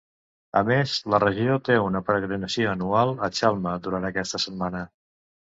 A més, la regió te una peregrinació anual a Chalma durant aquesta setmana.